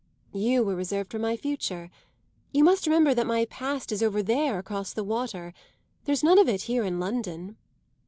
"You were reserved for my future. You must remember that my past is over there across the water. There's none of it here in London."